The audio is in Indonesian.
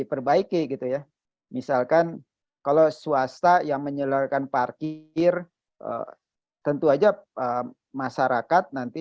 diperbaiki gitu ya misalkan kalau swasta yang menyeluruhkan parkir tentu aja masyarakat nanti